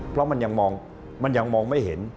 เพราะมันยังมองไม่เห็น